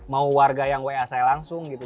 mau warga yang wa saya langsung gitu